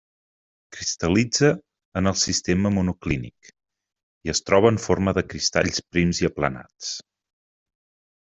Cristal·litza en el sistema monoclínic, i es troba en forma de cristalls prims i aplanats.